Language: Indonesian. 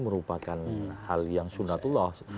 merupakan hal yang sunatullah